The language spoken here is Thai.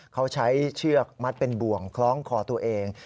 เขาใช้เชือกมัดเป็นบ่วงคล้องคอตัวเอง